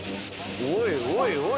おいおい